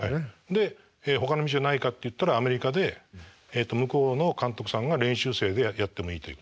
でほかの道はないかって言ったらアメリカで向こうの監督さんが練習生でやってもいいということで。